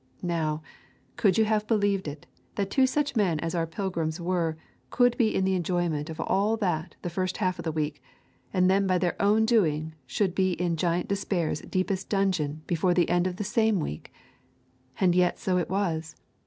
Now, could you have believed it that two such men as our pilgrims were could be in the enjoyment of all that the first half of the week, and then by their own doing should be in Giant Despair's deepest dungeon before the end of the same week? And yet so it was.